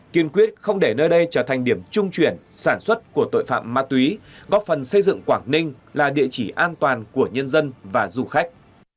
kiên quyết không để nơi đây trở thành điểm trung chuyển sản xuất của tội phạm ma túy góp phần xây dựng quảng ninh là địa chỉ an toàn của nhân dân và du khách